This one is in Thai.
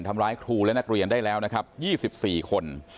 ทำร้ายครูและนักเรียนได้แล้วนะครับ๒๔คน